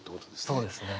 そうですね。